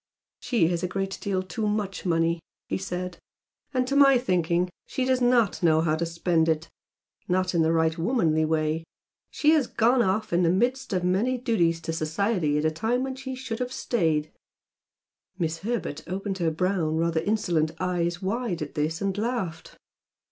"She has a great deal too much money" he said, "and to my thinking she does NOT know how to spend it, not in the right womanly way. She has gone off in the midst of many duties to society at a time when she should have stayed " Miss Herbert opened her brown, rather insolent eyes wide at this and laughed.